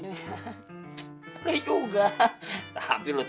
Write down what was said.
saya punya cara lain